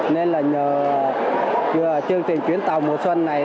nên là nhờ chương trình chuyến tàu mùa xuân này